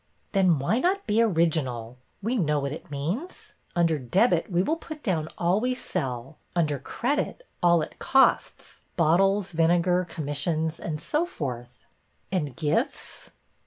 Then why not be original? We know what it means. Under Debit we will put down all we sell, under Credit all it costs, bottles, vinegar, commissions, and so forth." And gifts?"